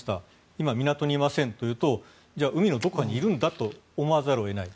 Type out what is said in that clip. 今、港にいませんというと海のどこかにいるんだと思わざるを得ない。